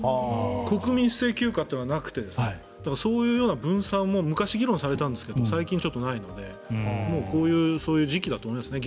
国民一斉休暇というのはなくてそういう分散というのも昔、議論されたんですが最近ちょっとないのでもうそういう時期だと思いますね。